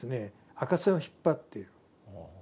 赤線を引っ張っている。